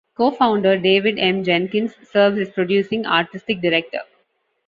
Co-founder David M. Jenkins serves as Producing Artistic Director.